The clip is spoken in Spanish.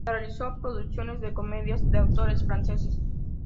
Realizó traducciones de comedias de autores franceses.